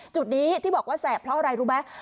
จุดนี้ที่บอกว่าแสบเพราะอะไรรู้ไหม